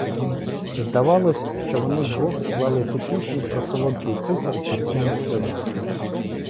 Здавалось, що вони вдвох склали ту пісню про "солодкий цукор з гіркими сльозами".